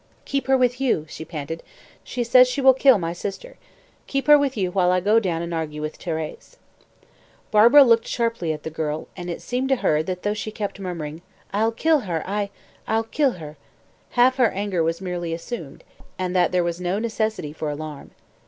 "Keep her with you," she panted; "she says she will kill my sister. Keep her with you while I go down and argue with Thérèse." Barbara looked sharply at the girl, and it seemed to her that though she kept murmuring, "I'll kill her I I'll kill her!" half her anger was merely assumed, and that there was no necessity for alarm.